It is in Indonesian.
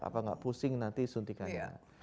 apakah tidak pusing nanti suntikannya